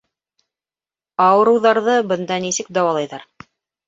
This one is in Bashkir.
Ауырыуҙарҙы бында нисек дауалайҙар?